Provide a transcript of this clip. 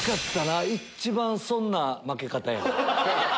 一番損な負け方やん。